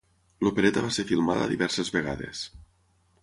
L'opereta va ser filmada diverses vegades.